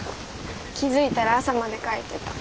気付いたら朝まで書いてた。